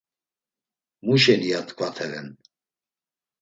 ‘Muşeni’ ya tkvateren.